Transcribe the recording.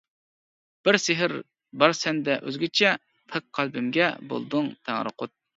بىر سېھىر بار سەندە ئۆزگىچە، پاك قەلبىمگە بولدۇڭ تەڭرىقۇت.